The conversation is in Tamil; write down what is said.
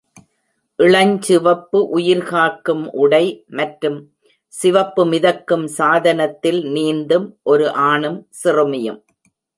இளஞ்சிவப்பு உயிர்காக்கும் உடை மற்றும் சிவப்பு மிதக்கும் சாதனத்தில் நீந்தும் ஒரு ஆணும் சிறுமியும்.